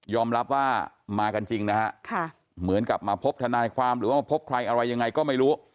รับว่ามากันจริงนะฮะเหมือนกับมาพบทนายความหรือว่ามาพบใครอะไรยังไงก็ไม่รู้